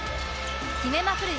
決めまくる